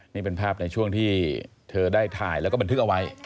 นี่เป็นภาพในช่วงที่เธอได้ถ่ายแล้วก็บันทึกเอาไว้